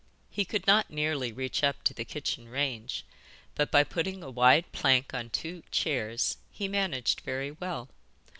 He could not nearly reach up to the kitchen range, but by putting a wide plank on two chairs he managed very well.